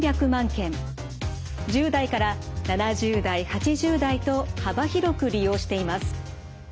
１０代から７０代８０代と幅広く利用しています。